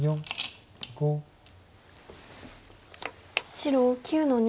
白９の二。